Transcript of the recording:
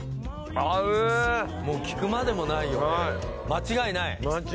もう聞くまでもないよねはい間違いない？